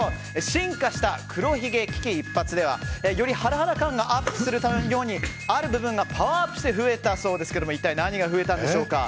進化した黒ひげ危機一髪ではよりハラハラ感がアップするようにある部分がパワーアップして増えたそうですが一体何が増えたんでしょうか。